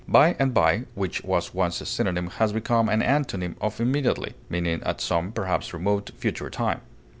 By and by, which was once a synonym, has become an antonym of immediately, meaning at some (perhaps remote) future time.